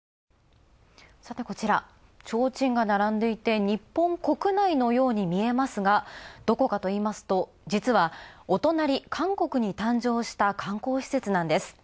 さて、こちら、提灯が並んでいて日本国内のように見えますが、どこかといいますと、実は、お隣韓国に誕生した観光施設なんです。